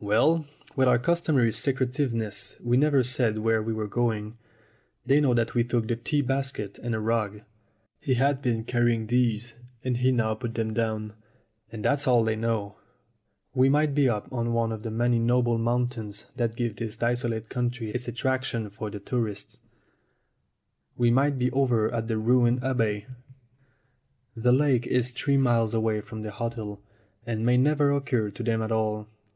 "Well, with our customary secretiveness we never said where we were going. They know that we took the tea basket and a rug." He had been carrying these, and he now put them down. "And that's all they know. We might be up one of the many noble mountains that give this desolate country its attraction for the tourist. We might be over at the ruined abbey. The lake is three miles away from the hotel, and may never occur to them at all.